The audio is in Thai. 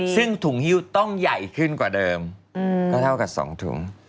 ซึ่งถุงฮิ้วต้องใหญ่ขึ้นกว่าเดิมก็เท่ากับ๒ถุง